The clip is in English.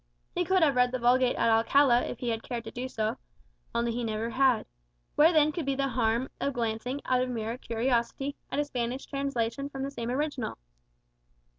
He could have read the Vulgate at Alcala if he had cared to do so (only he never had); where then could be the harm of glancing, out of mere curiosity, at a Spanish translation from the same original?